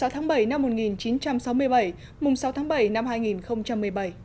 sáu tháng bảy năm một nghìn chín trăm sáu mươi bảy mùng sáu tháng bảy năm hai nghìn một mươi bảy